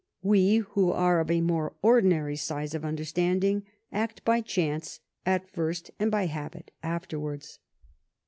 We who are of a more ordinary size of understanding act by chance at first and by habit afterwards."